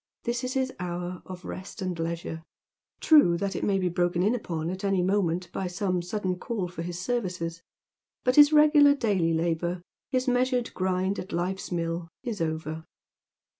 This is his hour of rest and leisure. True that it may be broken in upon at any moment by some sudden call for his services, but his regular daily labour, his measured grind at life's mill, is over.